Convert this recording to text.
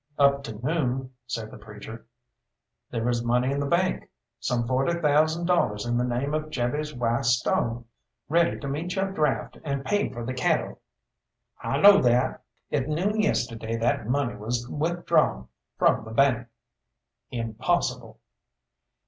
"Up to noon," said the preacher, "there was money in the bank; some forty thousand dollars in the name of Jabez Y. Stone, ready to meet yo' draft, and pay for the cattle." "I know that!" "At noon yesterday that money was withdrawn from the bank." "Impossible!"